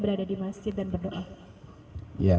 berada di masjid dan berdoa